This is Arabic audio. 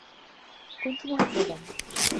كنت مهددا